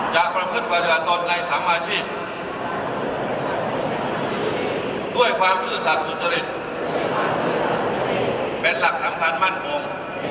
ประพฤติปฏิบัติตนในสามอาชีพด้วยความซื่อสัตว์สุจริตเป็นหลักสำคัญมั่นคง